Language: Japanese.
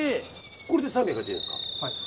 これで３８０円ですか。